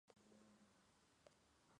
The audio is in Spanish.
Estuvo casado con Dña.